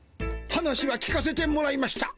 話は聞かせてもらいました。